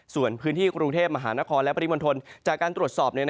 ส่วนพื้นที่กรุงเทพมหานครและปริมณฑลจากการตรวจสอบ